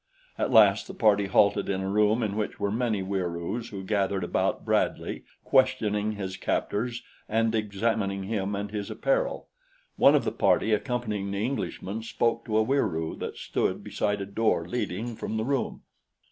At last the party halted in a room in which were many Wieroos who gathered about Bradley questioning his captors and examining him and his apparel. One of the party accompanying the Englishman spoke to a Wieroo that stood beside a door leading from the room.